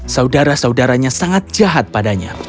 saudara saudaranya sangat jahat padanya